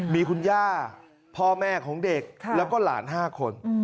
มีคุณย่าพ่อแม่ของเด็กแล้วก็หลาน๕คน